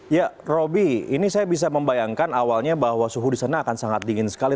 ya roby ini saya bisa membayangkan awalnya bahwa suhu di sana akan sangat dingin sekali